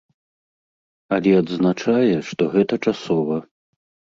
Але адзначае, што гэта часова.